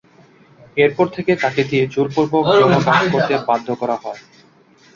এরপর থেকে তাকে দিয়ে জোরপূর্বক যৌন কাজ করতে বাধ্য করা হয়।